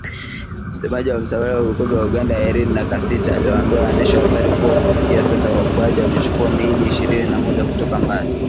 Msemaji wa Msalaba Mwekundu wa Uganda Irene Nakasita aliwaambia waandishi wa habari kuwa kufikia sasa waokoaji wamechukua miili ishirini na moja kutoka Mbale